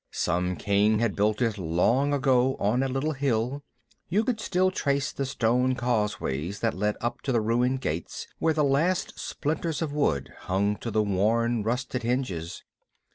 Some king had built it long ago on a little hill. You could still trace the stone causeways that led up to the ruined gates where the last splinters of wood hung to the worn, rusted hinges.